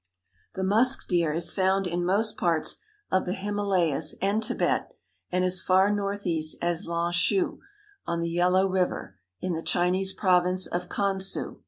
] The musk deer is found in most parts of the Himalayas and Tibet, and as far northeast as Lan chou, on the Yellow River, in the Chinese province of Kan su.